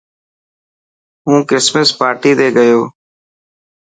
هون ڪرسمس پارٽي تي گيو.